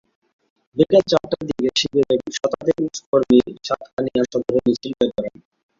বিকেল চারটার দিকে শিবিরের শতাধিক কর্মী সাতকানিয়া সদরে মিছিল বের করেন।